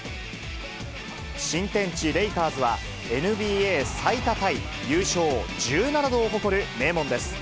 新天地、レイカーズは、ＮＢＡ最多タイ、優勝１７度を誇る名門です。